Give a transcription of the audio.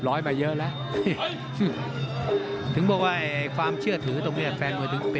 ครับครับครับครับครับครับครับครับครับครับครับ